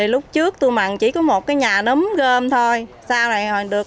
lúc trước tôi mặc chỉ có một nhà nấm gơm thôi